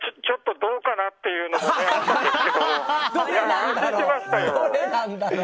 ちょっとどうかなっていうのもね。